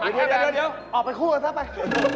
อย่าออกไปคู่กันซะไป